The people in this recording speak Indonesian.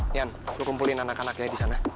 nian kumpulin anak anaknya di sana